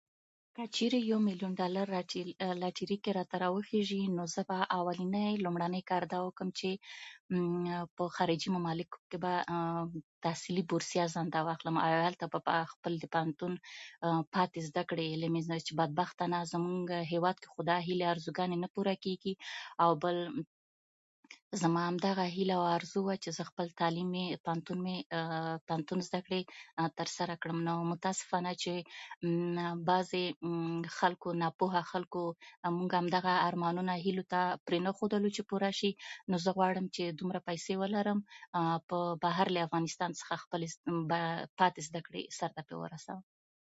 که چېرې یو میلیون ډالر په لاټر لاټرۍ کې راوخيجي، نو زه به اولنی لومړنی کار به دا وکړم چې په خارجي ممالکو کې به تحصيلي بورسیه ځان ته واخلم. هلته به خپل د پوهنتون پاتې زده کړې [unintelligible] چې بدبختانه زموږ هېواد کې خو دا هیلې او ارزوګانې نه پوره کېږي. او بل زما همدغه هیله او ارزو وه چې زه خپل تعلیم مې، پوهنتون مې، پوهنتون زده کړې ترسره کړم. نو متاسفانه چې بعضې خلکو، ناپوهه خلکو، موږ همدغه ارمانونه، هیلو ته پرېنښودولو چې پوره شي. نو زه غواړم چې دومره پیسې ولرم، په بهر، له افغانستان څخه خپلې زده کړې، پاتې زده کړې سرته ورسوم.